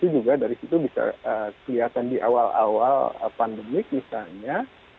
juga dari situ bisa kelihatan di awal awal pandemi misalnya